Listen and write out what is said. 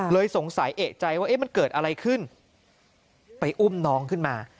สงสัยเอกใจว่ามันเกิดอะไรขึ้นไปอุ้มน้องขึ้นมา